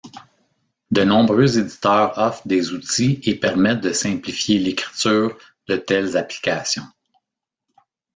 De nombreux éditeurs offrent des outils et permettant de simplifier l'écriture de telles applications.